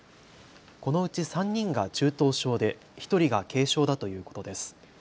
このうち３人が中等症で１人が軽症だということです。